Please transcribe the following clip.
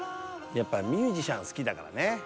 やっぱりミュージシャン好きだからね。